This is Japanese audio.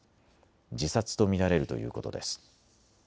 自殺と見られるということです。